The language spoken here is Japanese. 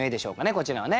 こちらはね。